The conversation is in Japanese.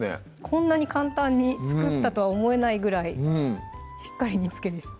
こんなに簡単に作ったとは思えないぐらいしっかり煮つけです